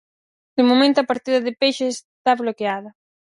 De momento a partida de peixe está bloqueada.